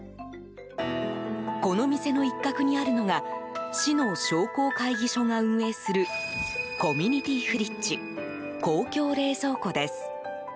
この店の一角にあるのが市の商工会議所が運営するコミュニティフリッジ公共冷蔵庫です。